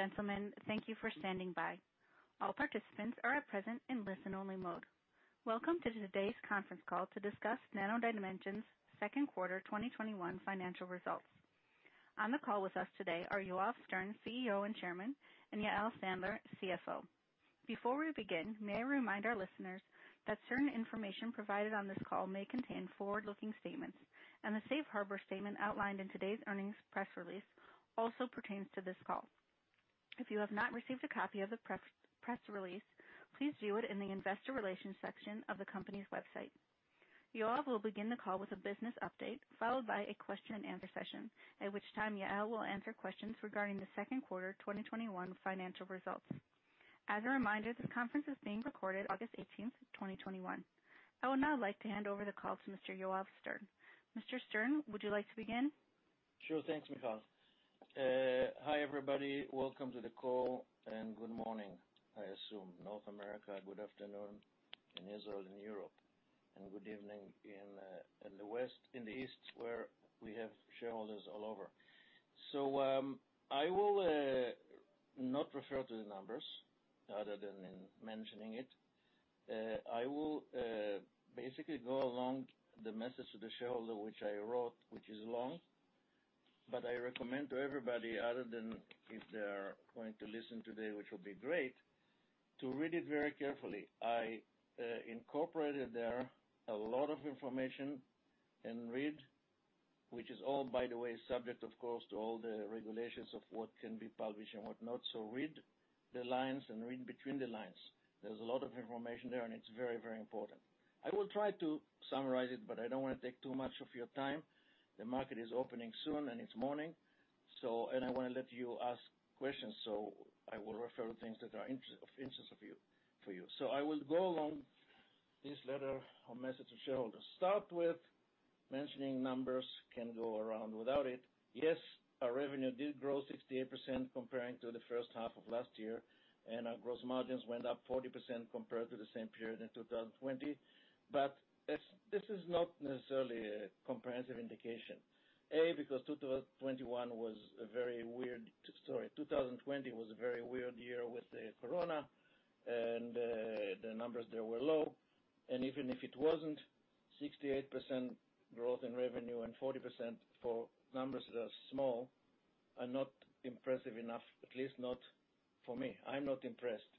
Gentlemen, thank you for standing by. All participants are at present in listen-only mode. Welcome to today's conference call to discuss Nano Dimension's second quarter 2021 financial results. On the call with us today are Yoav Stern, CEO, and Chairman, and Yael Sandler, CFO. Before we begin, may I remind our listeners that certain information provided on this call may contain forward-looking statements, and the safe harbor statement outlined in today's earnings press release also pertains to this call. If you have not received a copy of the press release, please view it in the investor relations section of the company's website. Yoav will begin the call with a business update, followed by a question and answer session, at which time Yael will answer questions regarding the second quarter 2021 financial results. As a reminder, this conference is being recorded August 18th, 2021. I would now like to hand over the call to Mr. Yoav Stern. Mr. Stern, would you like to begin? Sure. Thanks, Michal. Hi, everybody. Welcome to the call, and good morning, I assume. North America, good afternoon, and Israel and Europe, and good evening in the east, where we have shareholders all over. I will not refer to the numbers other than mentioning it. I will basically go along the message to the shareholder, which I wrote, which is long, but I recommend to everybody, other than if they are going to listen today, which will be great, to read it very carefully. I incorporated there a lot of information, and read, which is all, by the way, subject, of course, to all the regulations of what can be published and what not. Read the lines and read between the lines. There's a lot of information there, and it's very important. I will try to summarize it, but I don't want to take too much of your time. The market is opening soon, and it's morning. I want to let you ask questions, I will refer to things that are of interest for you. I will go along this letter or message to shareholders. Start with mentioning numbers, can go around without it. Yes, our revenue did grow 68% comparing to the first half of last year, and our gross margins went up 40% compared to the same period in 2020. This is not necessarily a comprehensive indication. Because 2021 was a very weird story. 2020 was a very weird year with the corona, and the numbers there were low. Even if it wasn't 68% growth in revenue and 40% for numbers that are small are not impressive enough, at least not for me. I'm not impressed.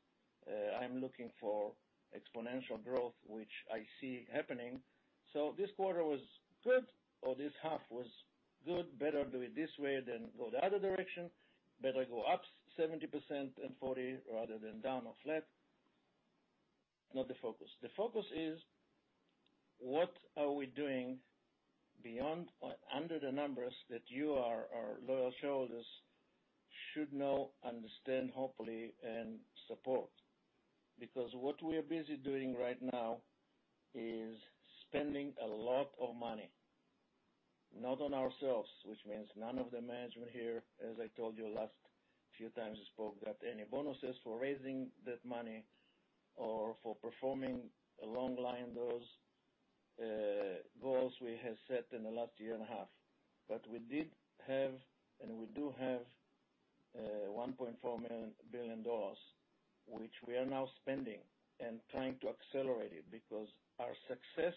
I'm looking for exponential growth, which I see happening. This quarter was good, or this half was good. Better do it this way than go the other direction. Better go up 70% and 40% rather than down or flat. Not the focus. The focus is what are we doing under the numbers that you, our loyal shareholders, should know, understand, hopefully, and support. What we are busy doing right now is spending a lot of money. Not on ourselves, which means none of the management here, as I told you last few times we spoke, got any bonuses for raising that money or for performing along line those goals we have set in the last year and a half. We did have, and we do have, $1.4 million, which we are now spending and trying to accelerate it, because our success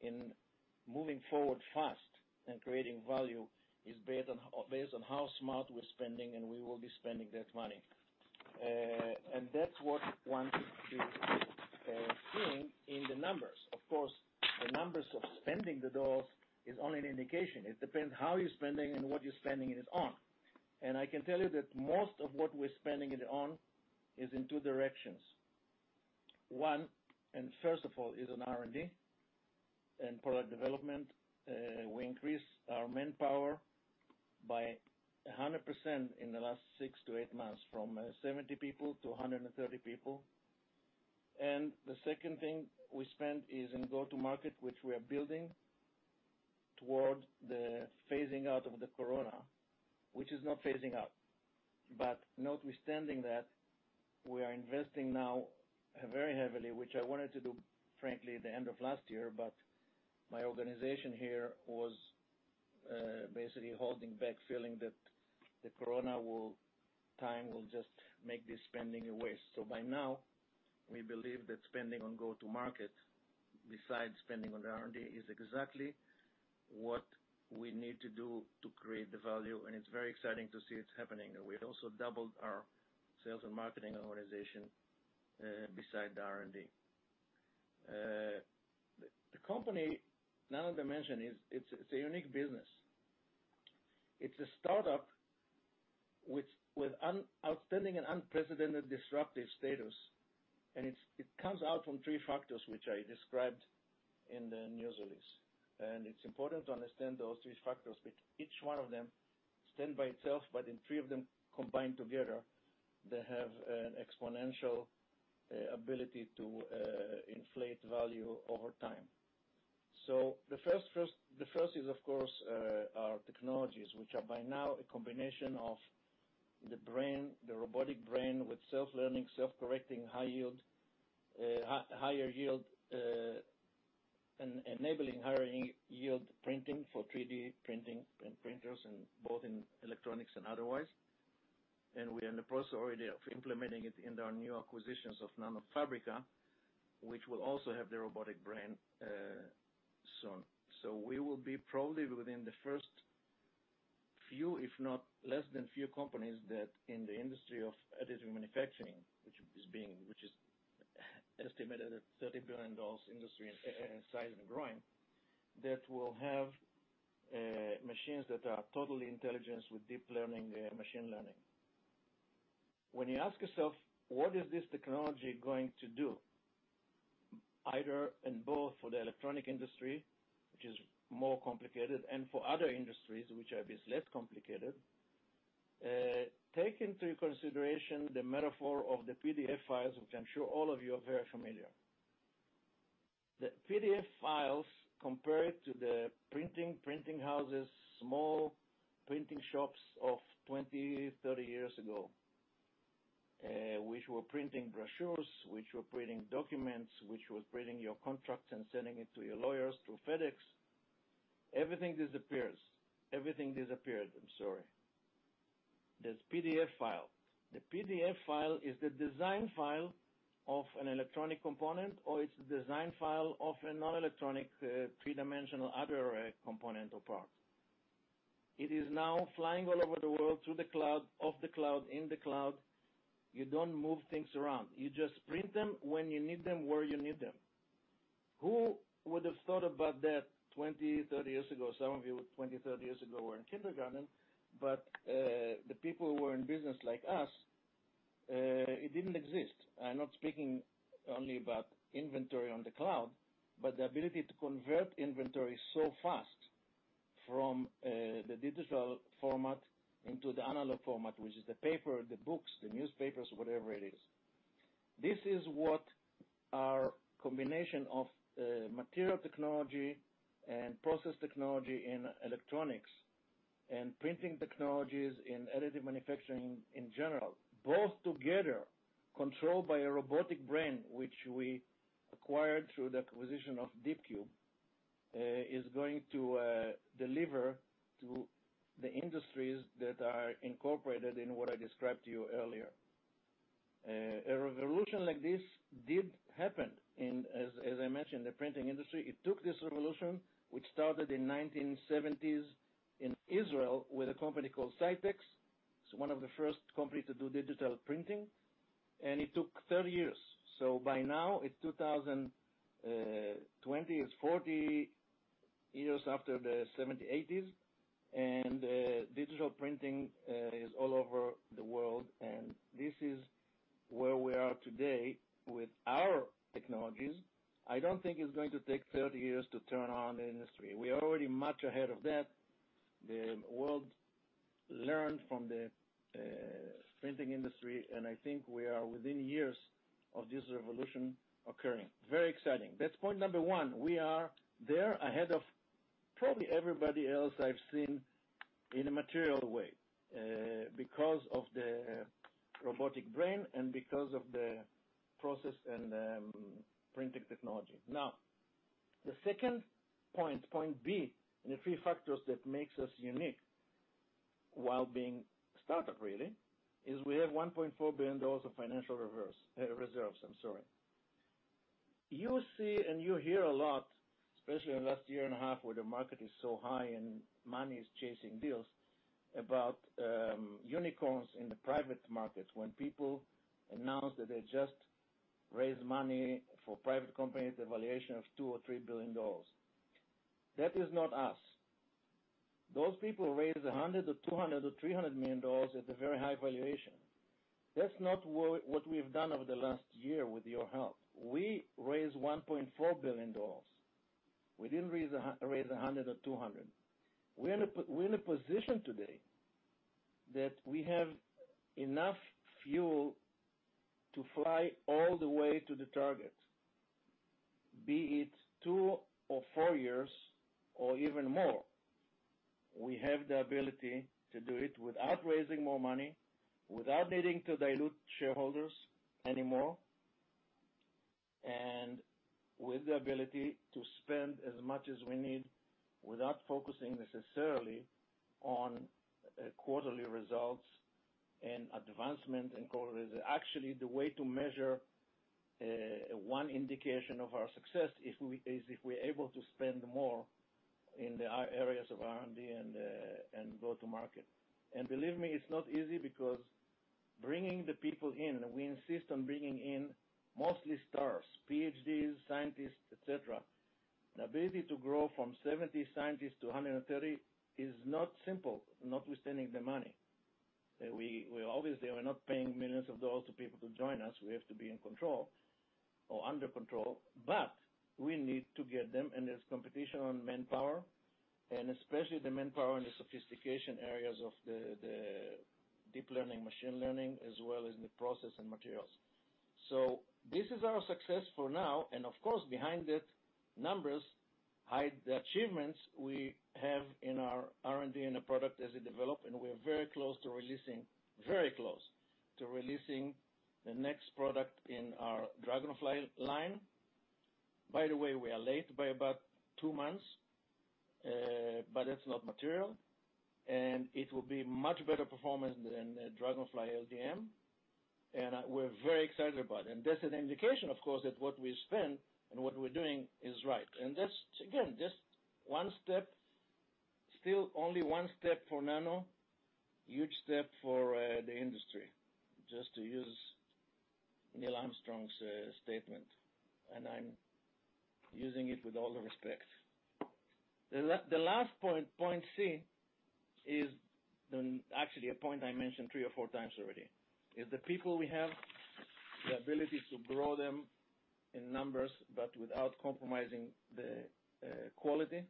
in moving forward fast and creating value is based on how smart we're spending, and we will be spending that money. That's what one should be seeing in the numbers. Of course, the numbers of spending the dollars is only an indication. It depends how you're spending and what you're spending it on. I can tell you that most of what we're spending it on is in two directions. One, and first of all, is on R&D and product development. We increased our manpower by 100% in the last six to eight months, from 70 people to 130 people. The second thing we spent is in go-to-market, which we are building toward the phasing out of the corona, which is not phasing out. Notwithstanding that, we are investing now very heavily, which I wanted to do, frankly, at the end of last year, but my organization here was basically holding back, feeling that the corona time will just make this spending a waste. By now, we believe that spending on go-to-market, besides spending on R&D, is exactly what we need to do to create the value, and it's very exciting to see it's happening. We've also doubled our sales and marketing organization beside the R&D. The company, Nano Dimension, it's a unique business. It's a startup with outstanding and unprecedented disruptive status, it comes out from three factors, which I described in the news release. It's important to understand those three factors, which each one of them stand by itself, but in three of them combined together, they have an exponential ability to inflate value over time. The first is, of course, our technologies, which are by now a combination of the brain, the robotic brain with self-learning, self-correcting, higher yield and enabling higher yield printing for 3D printing and printers, both in electronics and otherwise. We are in the process already of implementing it in our new acquisitions of NanoFabrica, which will also have the robotic brain soon. We will be probably within the first few, if not less than few companies that in the industry of additive manufacturing, which is estimated at a $30 billion industry in size and growing, that will have machines that are totally intelligent with deep learning and machine learning. When you ask yourself, what is this technology going to do, either in both for the electronic industry, which is more complicated, and for other industries, which I believe is less complicated, take into consideration the metaphor of the PDF files, which I'm sure all of you are very familiar. The PDF files compared to the printing houses, small printing shops of 20, 30 years ago, which were printing brochures, which were printing documents, which was printing your contracts and sending it to your lawyers through FedEx. Everything disappeared. There's PDF file. The PDF file is the design file of an electronic component, or it's the design file of a non-electronic three-dimensional other component or part. It is now flying all over the world through the cloud, of the cloud, in the cloud. You don't move things around. You just print them when you need them, where you need them. Who would have thought about that 20, 30 years ago? Some of you, 20, 30 years ago, were in kindergarten. The people who were in business like us, it didn't exist. I'm not speaking only about inventory on the cloud, but the ability to convert inventory so fast from the digital format into the analog format, which is the paper, the books, the newspapers, whatever it is. This is what our combination of material technology and process technology in electronics and printing technologies in additive manufacturing in general, both together controlled by a robotic brain, which we acquired through the acquisition of DeepCube, is going to deliver to the industries that are incorporated in what I described to you earlier. A revolution like this did happen in, as I mentioned, the printing industry. It took this revolution, which started in 1970s in Israel with a company called Scitex. It's one of the first companies to do digital printing, and it took 30 years. By now, it's 2020. It's 40 years after the '70s, '80s, and digital printing is all over the world, and this is where we are today with our technologies. I don't think it's going to take 30 years to turn on the industry. We are already much ahead of that. The world learned from the printing industry, and I think we are within years of this revolution occurring. Very exciting. That's point number 1. We are there ahead of probably everybody else I've seen in a material way, because of the robotic brain and because of the process and printing technology. The second point B, in the 3 factors that makes us unique while being a startup really, is we have $1.4 billion of financial reserves. You see and you hear a lot, especially in the last year and a half, where the market is so high and money is chasing deals, about unicorns in the private markets. When people announce that they just raised money for private companies, a valuation of $2 billion or $3 billion. That is not us. Those people raised $100 million, or $200 million, or $300 million at a very high valuation. That's not what we've done over the last year with your help. We raised $1.4 billion. We didn't raise $100 or $200. We're in a position today that we have enough fuel to fly all the way to the target, be it two or four years, or even more. We have the ability to do it without raising more money, without needing to dilute shareholders anymore, and with the ability to spend as much as we need without focusing necessarily on quarterly results and advancement in quarterly. Actually, the way to measure one indication of our success is if we're able to spend more in the areas of R&D and go to market. Believe me, it's not easy because bringing the people in, we insist on bringing in mostly stars, PhDs, scientists, et cetera. The ability to grow from 70 scientists to 130 is not simple, notwithstanding the money. Obviously, we're not paying millions of dollars to people to join us. We have to be in control or under control, but we need to get them. There's competition on manpower. Especially the manpower in the sophistication areas of the deep learning, machine learning, as well as in the process and materials. This is our success for now. Of course, behind the numbers hide the achievements we have in our R&D and the product as it develop. We're very close to releasing the next product in our DragonFly line. By the way, we are late by about two months, but it's not material. It will be much better performance than the DragonFly LDM, and we're very excited about it. That's an indication, of course, that what we spend and what we're doing is right. Again, just one step, still only one step for Nano. Huge step for the industry, just to use Neil Armstrong's statement, and I'm using it with all due respect. The last point C, is actually a point I mentioned three or four times already, is the people we have, the ability to grow them in numbers, but without compromising the quality.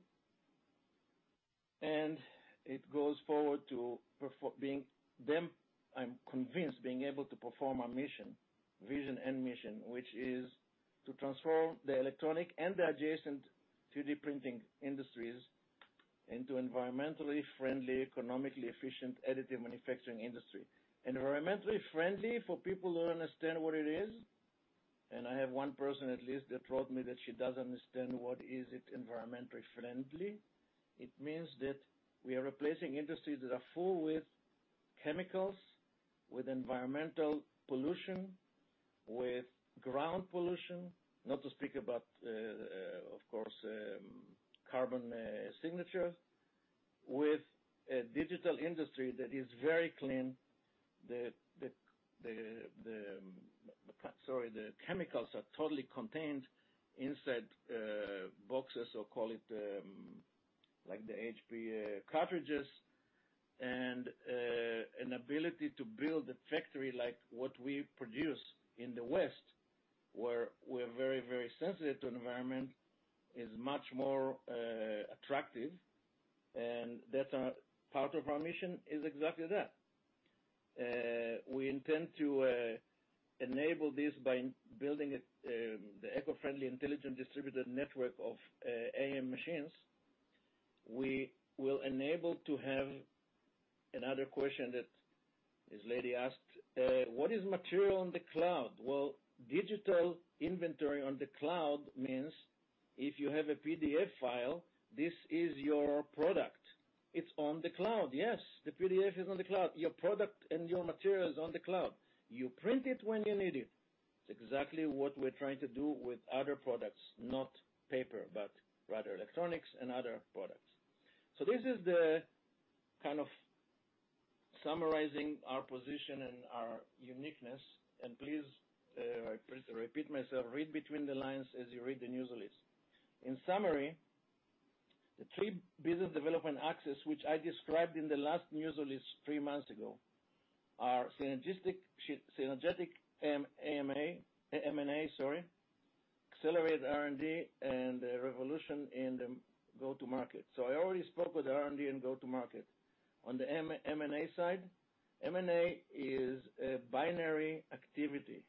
It goes forward to, I'm convinced, being able to perform our mission, vision and mission, which is to transform the electronic and the adjacent 3D printing industries into environmentally friendly, economically efficient, additive manufacturing industry. Environmentally friendly for people who understand what it is, I have one person at least that wrote me that she doesn't understand what is it environmentally friendly. It means that we are replacing industries that are full with chemicals, with environmental pollution, with ground pollution. Not to speak about, of course, carbon signature. With a digital industry that is very clean. The chemicals are totally contained inside boxes or call it like the HP cartridges, and an ability to build a factory like what we produce in the West, where we're very sensitive to environment, is much more attractive, and part of our mission is exactly that. We intend to enable this by building the eco-friendly, intelligent, distributed network of AM machines. We will enable to have another question that this lady asked, "What is material on the cloud?" Well, digital inventory on the cloud means if you have a PDF file, this is your product. It's on the cloud, yes. The PDF is on the cloud. Your product and your material is on the cloud. You print it when you need it. It's exactly what we're trying to do with other products, not paper, but rather electronics and other products. This is the kind of summarizing our position and our uniqueness, and please, I repeat myself, read between the lines as you read the news list. In summary, the 3 business development axes, which I described in the last news list 3 months ago, are synergetic M&A, accelerated R&D, and revolution in the go-to-market. I already spoke with R&D and go-to-market. On the M&A side, M&A is a binary activity.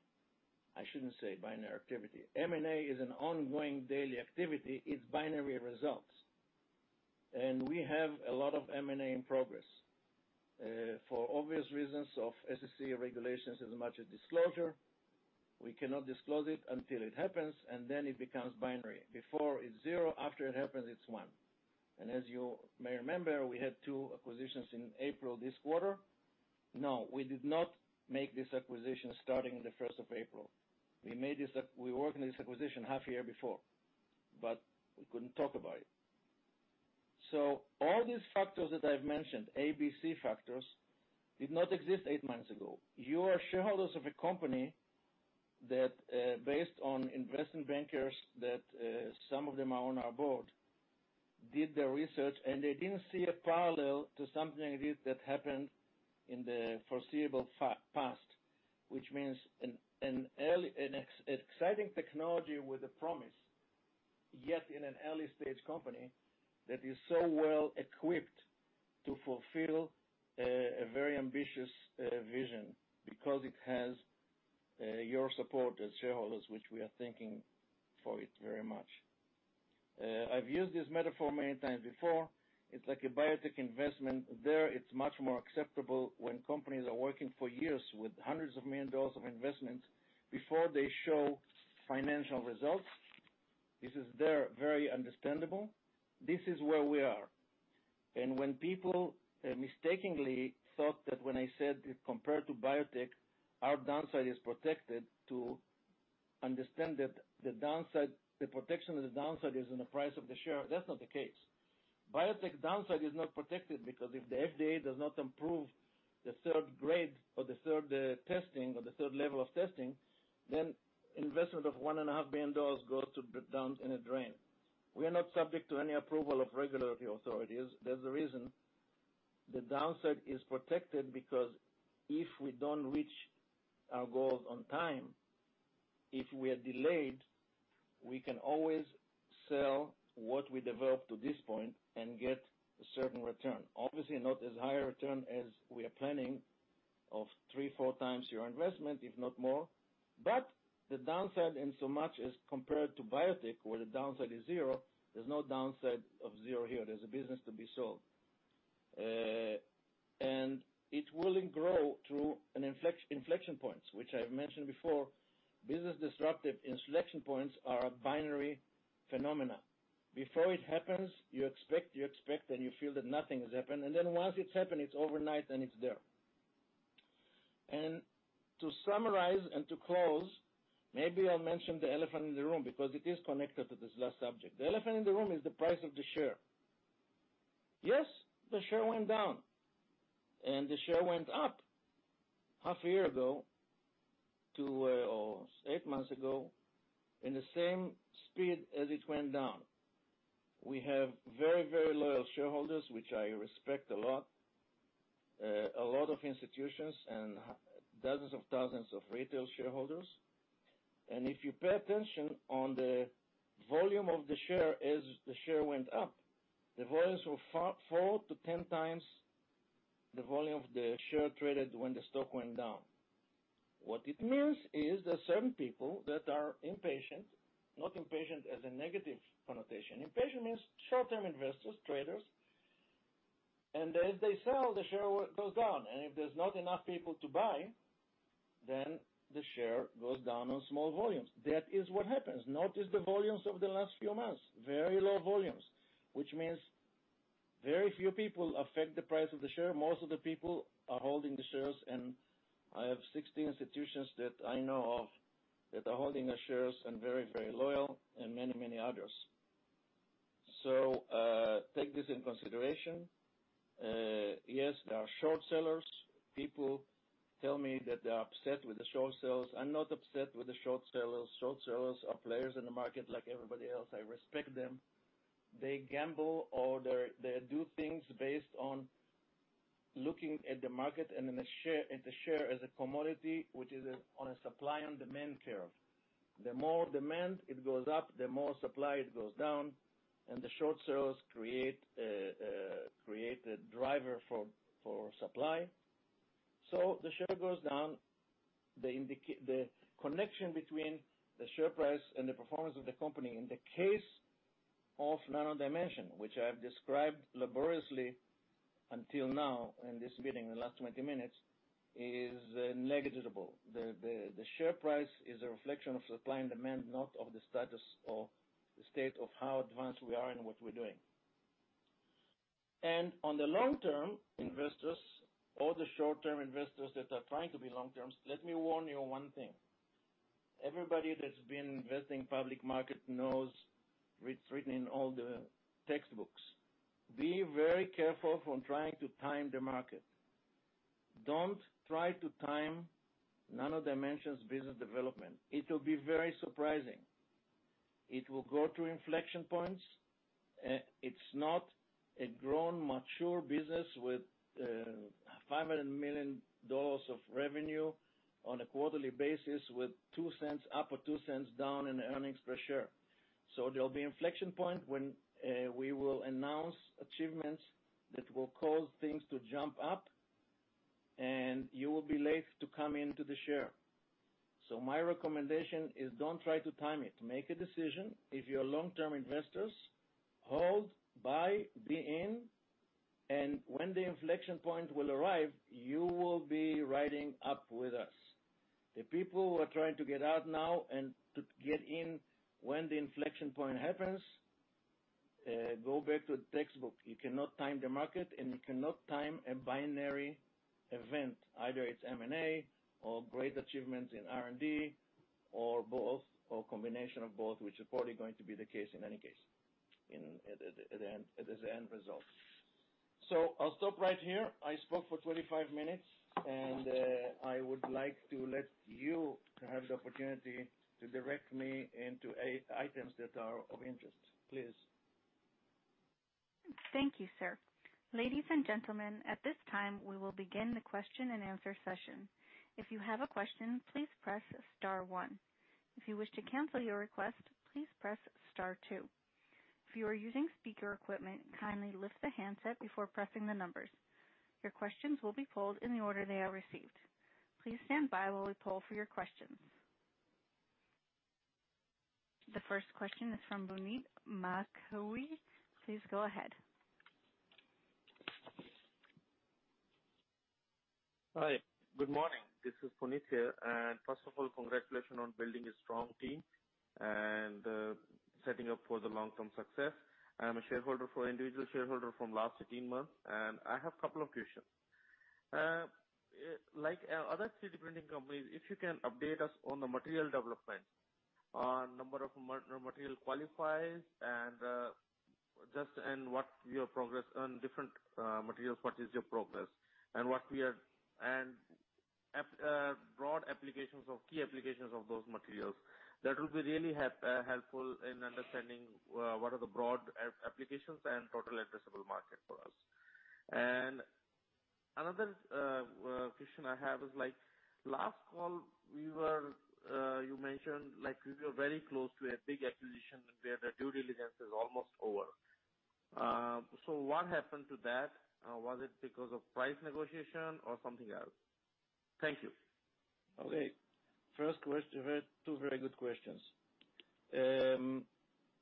I shouldn't say binary activity. M&A is an ongoing daily activity, it's binary results. We have a lot of M&A in progress. For obvious reasons of SEC regulations, as much as disclosure, we cannot disclose it until it happens, and then it becomes binary. Before, it's zero. After it happens, it's one. As you may remember, we had 2 acquisitions in April this quarter. No, we did not make this acquisition starting the 1st of April. We worked on this acquisition half year before, but we couldn't talk about it. All these factors that I've mentioned, A, B, C factors, did not exist eight months ago. You are shareholders of a company that, based on investment bankers, that some of them are on our board, did their research, and they didn't see a parallel to something like this that happened in the foreseeable past, which means an exciting technology with a promise, yet in an early-stage company that is so well equipped to fulfill a very ambitious vision because it has your support as shareholders, which we are thanking for it very much. I've used this metaphor many times before. It's like a biotech investment. There, it's much more acceptable when companies are working for years with hundreds of million dollars of investments before they show financial results. This is very understandable. This is where we are. When people mistakenly thought that when I said compared to biotech, our downside is protected to understand that the protection of the downside is in the price of the share, that's not the case. Biotech downside is not protected because if the FDA does not improve the third grade or the third testing or the third level of testing, then investment of $1.5 billion goes down in a drain. We're not subject to any approval of regulatory authorities. There's a reason. The downside is protected because if we don't reach our goals on time, if we are delayed, we can always sell what we developed to this point and get a certain return. Obviously, not as high a return as we are planning, of three, four times your investment, if not more. The downside, in so much as compared to biotech, where the downside is 0, there's no downside of 0 here. There's a business to be sold. It will grow through inflection points, which I have mentioned before. Business disruptive inflection points are a binary phenomenon. Before it happens, you expect and you feel that nothing has happened. Once it's happened, it's overnight, and it's there. To summarize and to close, maybe I'll mention the elephant in the room because it is connected to this last subject. The elephant in the room is the price of the share. Yes, the share went down, and the share went up half a year ago to 8 months ago in the same speed as it went down. We have very loyal shareholders, which I respect a lot. A lot of institutions and dozens of thousands of retail shareholders. If you pay attention on the volume of the share as the share went up, the volumes were 4-10 times the volume of the share traded when the stock went down. What it means is that certain people that are impatient, not impatient as a negative connotation. Impatient means short-term investors, traders, and as they sell, the share goes down. If there's not enough people to buy, then the share goes down on small volumes. That is what happens. Notice the volumes of the last few months, very low volumes, which means very few people affect the price of the share. Most of the people are holding the shares, and I have 16 institutions that I know of that are holding the shares and very, very loyal and many, many others. Take this into consideration. Yes, there are short sellers. People tell me that they are upset with the short sellers. I'm not upset with the short sellers. Short sellers are players in the market like everybody else. I respect them. They gamble or they do things based on looking at the market and the share as a commodity, which is on a supply and demand curve. The more demand it goes up, the more supply it goes down, and the short sellers create a driver for supply. The share goes down. The connection between the share price and the performance of the company in the case of Nano Dimension, which I have described laboriously until now in this meeting in the last 20 minutes, is negligible. The share price is a reflection of supply and demand, not of the status or the state of how advanced we are in what we're doing. On the long-term investors or the short-term investors that are trying to be long-term, let me warn you one thing. Everybody that's been investing in public market knows it's written in all the textbooks. Be very careful when trying to time the market. Don't try to time Nano Dimension's business development. It will be very surprising. It will go through inflection points. It's not a grown, mature business with $500 million of revenue on a quarterly basis with $0.02 up or $0.02 down in earnings per share. There'll be inflection point when we will announce achievements that will cause things to jump up, and you will be late to come into the share. My recommendation is don't try to time it. Make a decision. If you're long-term investors, hold, buy, be in, and when the inflection point will arrive, you will be riding up with us. The people who are trying to get out now and to get in when the inflection point happens, go back to the textbook. You cannot time the market, you cannot time a binary event. Either it's M&A or great achievements in R&D or both, or combination of both, which is probably going to be the case in any case as the end result. I'll stop right here. I spoke for 25 minutes, I would like to let you have the opportunity to direct me into items that are of interest. Please. Thank you, sir. Ladies and Gentlemen, at this time we will begin the question-and-answer session. If you have a question, please press star one. If you wish to cancel your request, please press star two. If you are using speaker equipment, kindly list the handset before pressing the numbers. Your questions will be pulled in order received. Please stand by the poll for your questions The first question is from Puneet Makhija. Please go ahead. Hi. Good morning. This is Puneet here. First of all, congratulations on building a strong team and setting up for the long-term success. I'm a shareholder for individual shareholder from last 18 months, and I have a couple of questions. Like other 3D printing companies, if you can update us on the material development, on number of material qualifies and just in what your progress on different materials, what is your progress and broad applications of key applications of those materials. That will be really helpful in understanding what are the broad applications and total addressable market for us. Another question I have is like last call, you mentioned like we were very close to a big acquisition where the due diligence is almost over. What happened to that? Was it because of price negotiation or something else? Thank you. Okay. First question. You had 2 very good questions.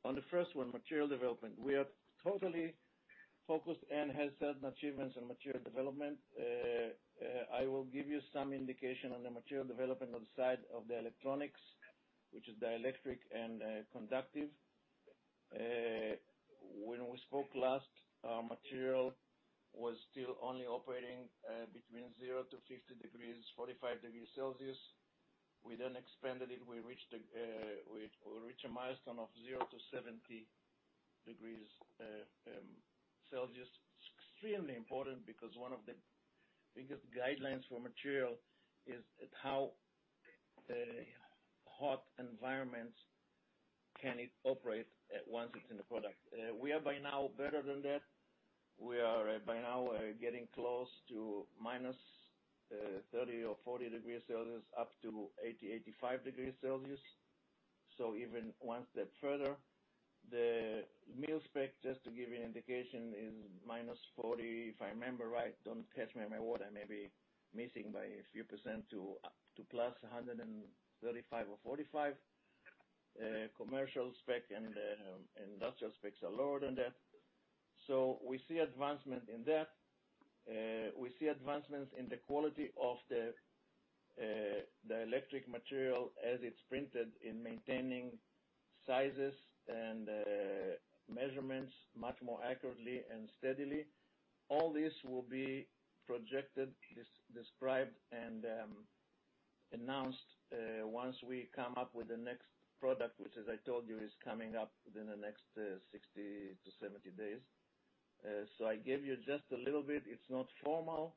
On the first one, material development. We are totally focused and have certain achievements in material development. I will give you some indication on the material development on the side of the electronics, which is the electric and conductive. When we spoke last, our material was still only operating between 0-50 degrees, 45 degrees Celsius. We expanded it. We reached a milestone of 0-70 degrees Celsius. It's extremely important because one of the biggest guidelines for material is at how hot environments can it operate once it's in the product. We are by now better than that. We are by now getting close to -30 or 40 degrees Celsius up to 80-85 degrees Celsius. Even one step further. The mil spec, just to give you an indication, is -40, if I remember right, don't catch me on my word, I may be missing by a few percent, to plus 135 or 45. Commercial spec and industrial specs are lower than that. We see advancement in that. We see advancements in the quality of the electric material as it's printed in maintaining sizes and measurements much more accurately and steadily. All this will be projected, described, and announced once we come up with the next product, which, as I told you, is coming up within the next 60 to 70 days. I gave you just a little bit. It's not formal,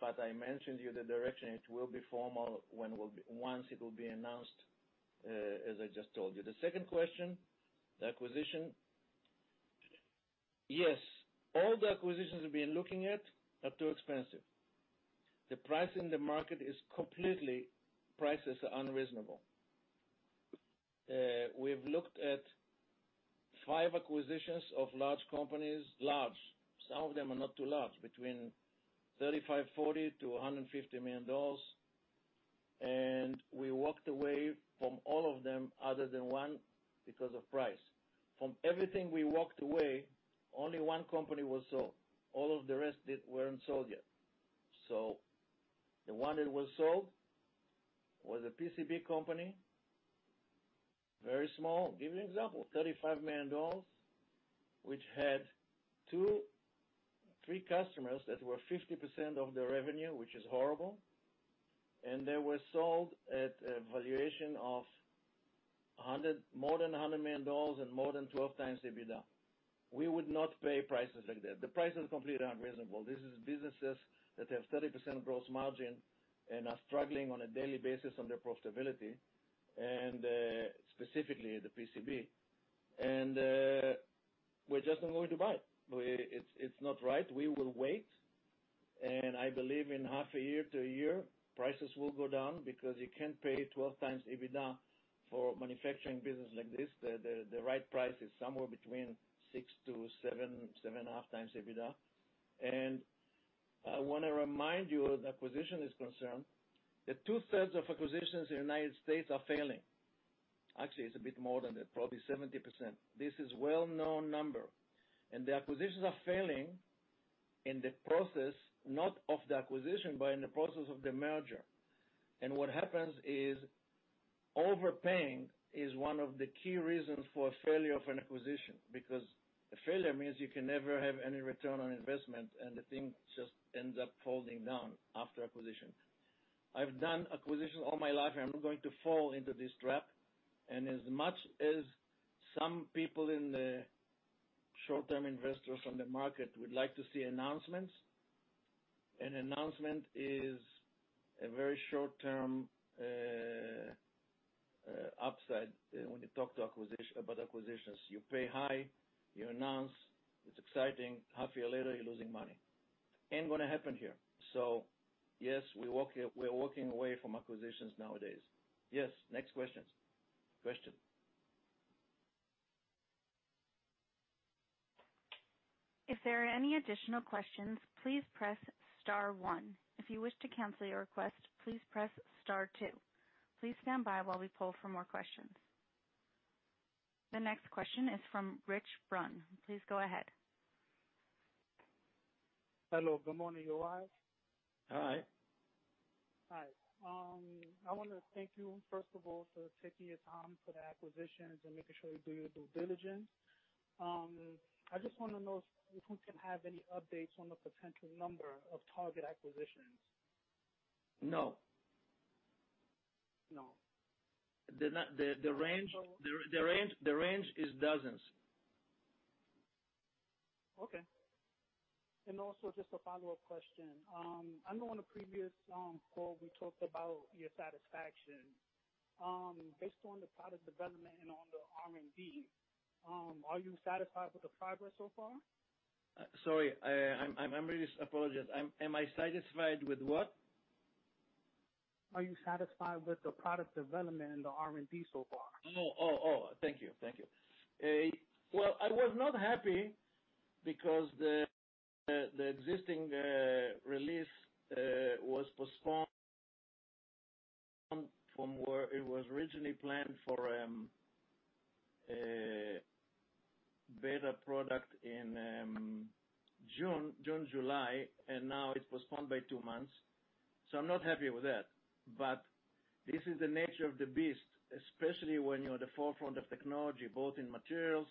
but I mentioned you the direction. It will be formal once it will be announced, as I just told you. The second question, the acquisition. Yes, all the acquisitions we've been looking at are too expensive. Prices are unreasonable. We've looked at five acquisitions of large companies. Large. Some of them are not too large, between $35 million, $40 million to $150 million. We walked away from all of them other than one because of price. From everything we walked away, only one company was sold. All of the rest weren't sold yet. The one that was sold was a PCB company, very small. Give you an example, $35 million, which had three customers that were 50% of their revenue, which is horrible. They were sold at a valuation of more than $100 million and more than 12x EBITDA. We would not pay prices like that. The prices are completely unreasonable. These are businesses that have 30% gross margin and are struggling on a daily basis on their profitability, and specifically the PCB. We're just not going to buy it. It's not right. We will wait, and I believe in half a year to a year, prices will go down because you can't pay 12x EBITDA for manufacturing business like this. The right price is somewhere between 6-7x EBITDA, 7.5x EBITDA. I want to remind you where the acquisition is concerned, that two-thirds of acquisitions in the United States are failing. Actually, it's a bit more than that, probably 70%. This is well-known number. The acquisitions are failing in the process, not of the acquisition, but in the process of the merger. What happens is overpaying is one of the key reasons for a failure of an acquisition, because a failure means you can never have any return on investment, and the thing just ends up holding down after acquisition. I've done acquisitions all my life. I'm not going to fall into this trap. As much as some people in the short-term investors on the market would like to see announcements, an announcement is a very short-term upside when you talk about acquisitions. You pay high, you announce, it's exciting. Half a year later, you're losing money. Ain't gonna happen here. Yes, we're walking away from acquisitions nowadays. Yes, next question. Is there any addtional questions? Please press star one. If you wish to cancel your request, please press star two. Please stand by while we pull for more questions. The next question is from Rich Brunn. Please go ahead. Hello, good morning, Yoav. Hi. Hi. I want to thank you, first of all, for taking your time for the acquisitions and making sure you do your due diligence. I just want to know if we can have any updates on the potential number of target acquisitions. No. No. The range is dozens. Okay. Also, just a follow-up question. I know on a previous call, we talked about your satisfaction. Based on the product development and on the R&D, are you satisfied with the progress so far? Sorry. I apologize. Am I satisfied with what? Are you satisfied with the product development and the R&D so far? Oh, thank you. Well, I was not happy because the existing release was postponed from where it was originally planned for a beta product in June/July, and now it's postponed by two months, so I'm not happy with that. This is the nature of the beast, especially when you're at the forefront of technology, both in materials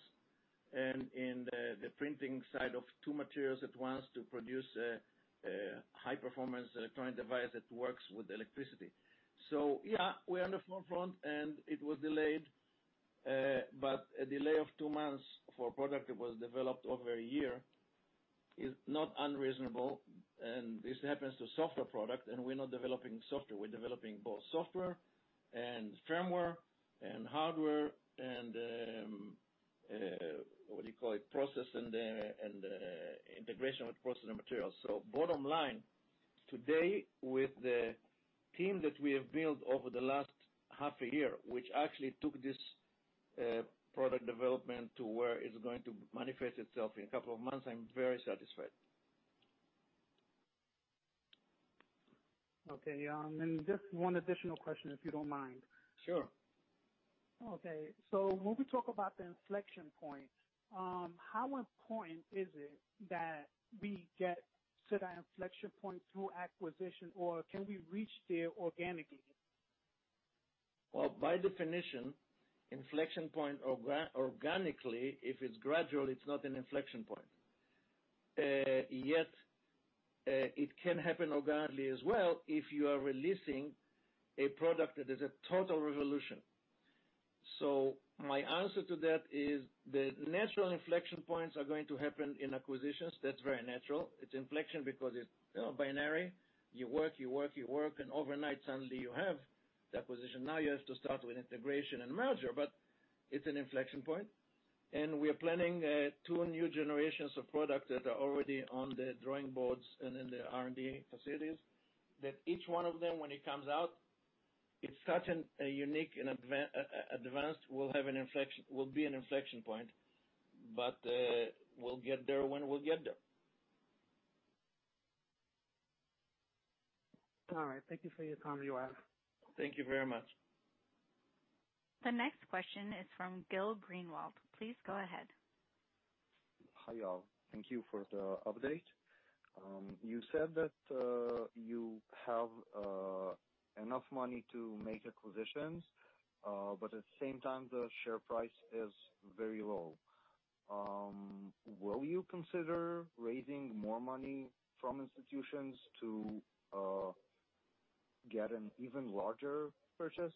and in the printing side of two materials at once to produce a high-performance electronic device that works with electricity. Yeah, we're on the forefront, and it was delayed, but a delay of two months for a product that was developed over one year is not unreasonable. This happens to software product, and we're not developing software. We're developing both software and firmware and hardware and, what do you call it, process and integration with process and materials. Bottom line, today, with the team that we have built over the last half a year, which actually took this product development to where it's going to manifest itself in two months, I'm very satisfied. Okay. Just one additional question, if you don't mind. Sure. Okay. When we talk about the inflection point, how important is it that we get to that inflection point through acquisition, or can we reach there organically? Well, by definition, inflection point organically, if it's gradual, it's not an inflection point. It can happen organically as well if you are releasing a product that is a total revolution. My answer to that is the natural inflection points are going to happen in acquisitions. That's very natural. It's inflection because it's binary. You work, you work, you work, overnight, suddenly you have the acquisition. Now you have to start with integration and merger, it's an inflection point. We are planning two new generations of products that are already on the drawing boards and in the R&D facilities that each one of them, when it comes out, it's such a unique and advanced, will be an inflection point. We'll get there when we'll get there. All right. Thank you for your time, Yoav. Thank you very much. The next question is from Gil Greenwald. Please go ahead. Hi, Yoav. Thank you for the update. You said that you have enough money to make acquisitions, but at the same time, the share price is very low. Will you consider raising more money from institutions to get an even larger purchase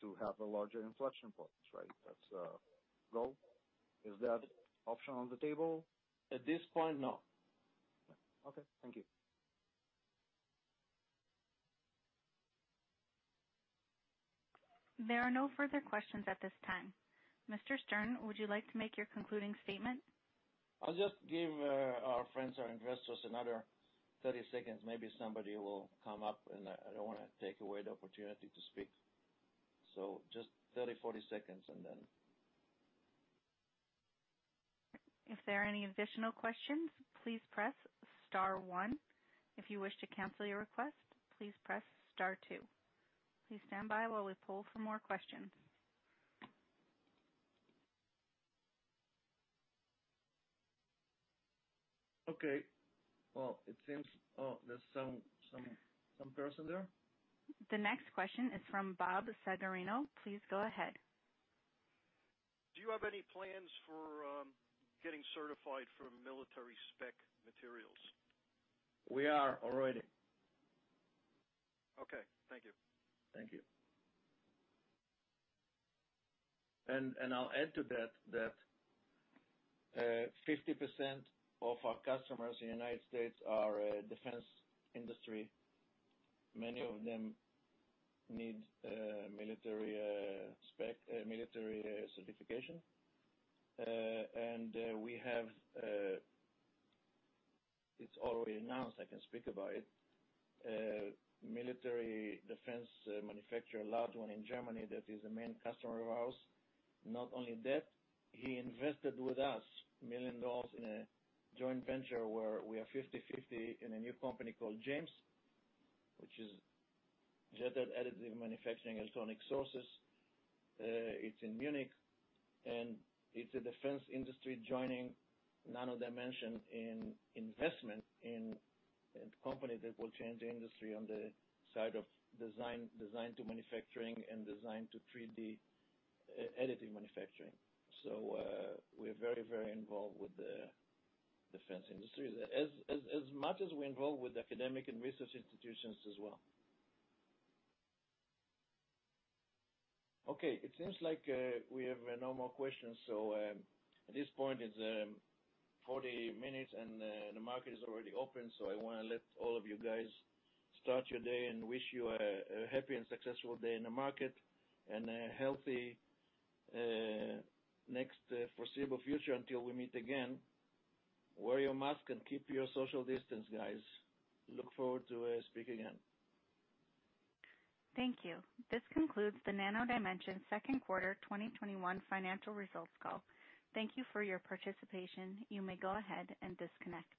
to have a larger inflection point, right? That's the goal. Is that option on the table? At this point, no. Okay. Thank you. There are no further questions at this time. Mr. Stern, would you like to make your concluding statement? I'll just give our friends, our investors, another 30 seconds. Maybe somebody will come up, and I don't want to take away the opportunity to speak. Just 30, 40 seconds. If there are any additional questions, please press star one. If you wish to cancel your request, please press star two. Please stand by while we poll for more questions. Okay. Well, it seems Oh, there's some person there? The next question is from Bob Sagorino. Please go ahead. Do you have any plans for getting certified for Military Spec materials? We are already. Okay. Thank you. Thank you. I'll add to that 50% of our customers in the U.S. are defense industry. Many of them need mil spec, military certification. We have, it's already announced, I can speak about it, military defense manufacturer, a large one in Germany, that is a main customer of ours. Not only that, he invested with us $1 million in a joint venture where we are 50/50 in a new company called J.A.M.E.S, which is Jet Additive Manufacturing Electronic Sources. It's in Munich, and it's a defense industry joining Nano Dimension in investment in a company that will change the industry on the side of design to manufacturing and design to 3D additive manufacturing. We're very involved with the defense industry, as much as we're involved with academic and research institutions as well. Okay. It seems like we have no more questions. At this point, it's 40 minutes, and the market is already open. I want to let all of you guys start your day and wish you a happy and successful day in the market and a healthy next foreseeable future until we meet again. Wear your mask and keep your social distance, guys. Look forward to speaking again. Thank you. This concludes the Nano Dimension second quarter 2021 financial results call. Thank you for your participation. You may go ahead and disconnect.